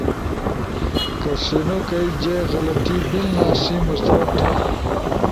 کہ سینو کئی جے غلطی بیلنا سی مسترد تھا۔